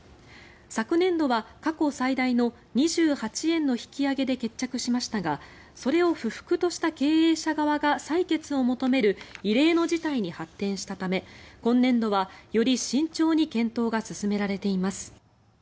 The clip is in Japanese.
昨年度は過去最大の２８円の引き上げで決着しましたがそれを不服とした経営者側が採決を求める異例の事態に発展したため今年度は、より慎重に検討が進められています。